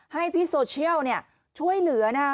ให้พี่โซเชียลช่วยเหลือนะฮะ